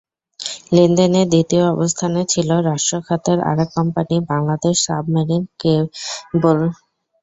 লেনদেনের দ্বিতীয় অবস্থানে ছিল রাষ্ট্র খাতের আরেক কোম্পানি বাংলাদেশ সাবমেরিন কেব্ল।